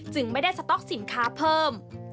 ไม่ได้สต๊อกสินค้าเพิ่ม